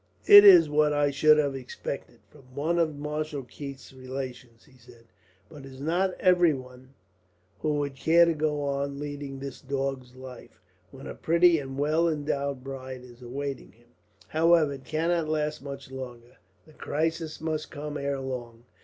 "It is what I should have expected, from one of Marshal Keith's relations," he said; "but it is not everyone who would care to go on leading this dog's life, when a pretty and well endowed bride is awaiting him. "However, it cannot last much longer. The crisis must come, ere long.